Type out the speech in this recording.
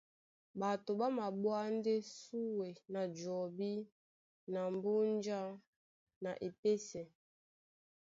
Ɓato ɓá maɓwá ndé súe na jɔbí na mbúnjá na epésɛ.